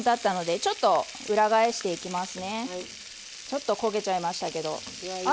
ちょっと焦げちゃいましたけどあっ